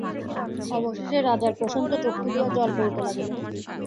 অবশেষে রাজার প্রশান্ত চক্ষু দিয়া জল পড়িতে লাগিল।